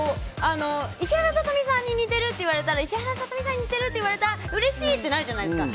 石原さとみさんに似ているといわれたら石原さとみさんに似てるって言われたうれしい！ってなるじゃないですか。